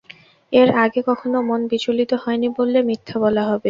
এর আগে কখনো মন বিচলিত হয় নি বললে মিথ্যে বলা হবে।